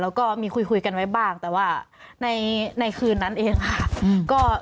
แล้วก็มีคุยกันไว้บ้างแต่ว่าในคืนนั้นเองค่ะ